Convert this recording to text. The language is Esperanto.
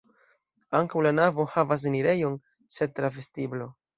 Ankaŭ la navo havas enirejon, sed tra vestiblo.